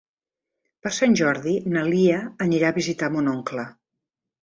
Per Sant Jordi na Lia anirà a visitar mon oncle.